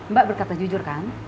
mbak berkata jujur kan